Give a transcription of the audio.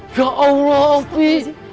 ya allah ofi